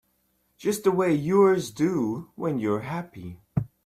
Just the way yours do when you're happy.